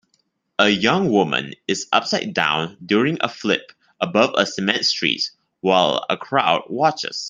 A young woman is upsidedown during a flip above a cement street while a crowd watches.